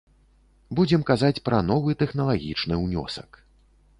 Будзем казаць пра новы тэхналагічны ўнёсак.